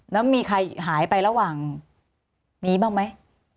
แล้วมีใครหายไประหว่างนี้บ้างไหม